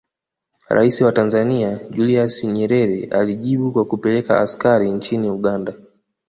Rais wa Tanzania Julius Nyerere alijibu kwa kupeleka askari nchini Uganda